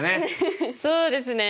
そうですね。